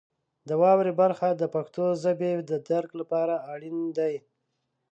د واورئ برخه د پښتو ژبې د درک لپاره اړین دی.